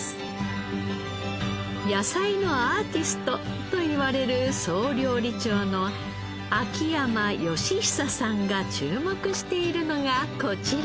「野菜のアーティスト」といわれる総料理長の秋山能久さんが注目しているのがこちら。